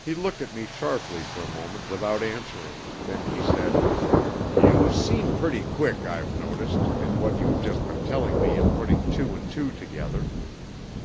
He looked at me sharply for a moment without answering, then he said: "You seem pretty quick, I've noticed, in what you've just been telling me at putting two and two together.